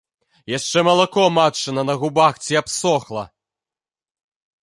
Яшчэ малако матчына на губах ці абсохла.